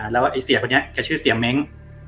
ถึงแกชื่อเสี๋ยเม้ง